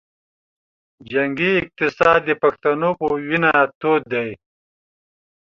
جنګي اقتصاد د پښتنو پۀ وینه تود دے